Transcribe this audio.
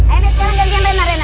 ayo nih sekarang kerjaan rena rena